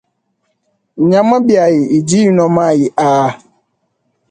Nyama biayi idi inua mayi aa.